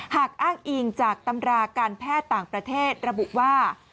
หากอ้างอิงจากตำราการแพทย์ต่างประเทศระบุว่า